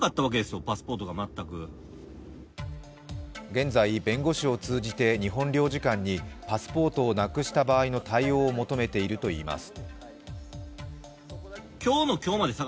現在、弁護士を通じて日本領事館にパスポートを失くした場合の対応を求めているといいます。